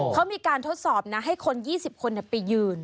เขามีการทดสอบนะให้คน๒๐คนไปยืน